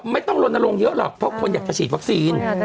ไม่ต้องลนลงเยอะหรอกเพราะคนอยากจะฉีดวัคซีน